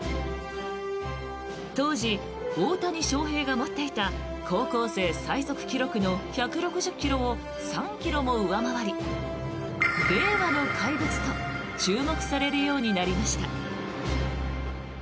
当時、大谷翔平が持っていた高校生最速記録の１６０ｋｍを３ｋｍも上回り令和の怪物と注目されるようになりました。